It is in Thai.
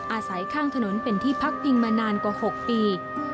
อาศัยข้างถนนเป็นที่พักพิงมานานกว่า๖ปี